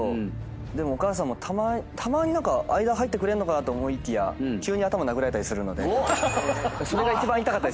でもお母さんもたまに間入ってくれんのかなと思いきや急に頭殴られたりするのでそれが一番痛かったりする。